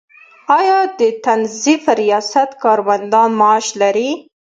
آیا د تنظیف ریاست کارمندان معاش لري؟